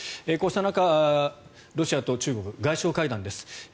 こうした中、ロシアと中国外相会談です。